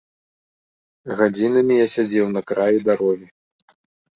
Гадзінамі я сядзеў на краі дарогі.